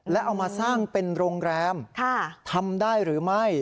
แล้วเอามาสร้างเป็นโรงแรมทำได้หรือไม่